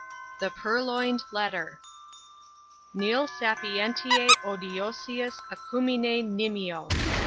] THE PURLOINED LETTER Nil sapientiæ odiosius acumine nimio.